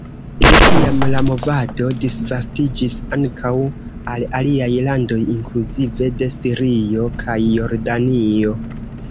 De tiam la movado disvastiĝis ankaŭ al aliaj landoj, inkluzive de Sirio kaj Jordanio.